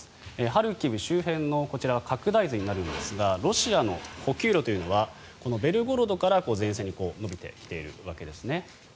ハルキウ周辺のこちらは拡大図になるんですがロシアの補給路というのがこのベルゴロドから前線に延びてきているわけですね。